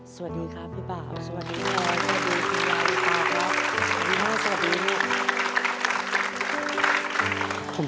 สวัสดีครับพี่บาวสวัสดีครับสวัสดีครับสวัสดีครับสวัสดีครับสวัสดีครับสวัสดีครับ